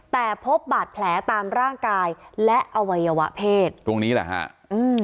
แต่พบบาดแผลตามร่างกายและอวัยวะเพศตรงนี้แหละฮะอืม